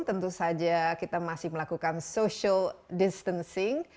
tentu saja kita masih melakukan social distancing